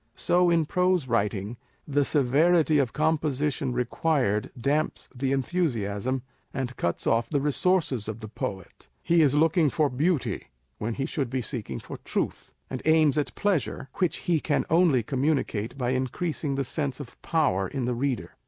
So in prose writing, the severity of composition required damps the enthusiasm, and cuts off the resources of the poet. He is looking for beauty, when he should be seeking for truth ; and aims at pleasure, which he can only communicato by increasing the sense of power in the reader.